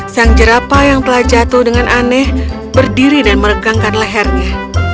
sang jerapah yang telah jatuh dengan aneh berdiri dan meregangkan lehernya